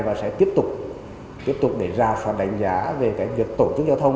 và sẽ tiếp tục để ra soạn đánh giá về cái việc tổ chức giao thông